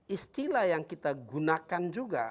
istilah yang kita gunakan juga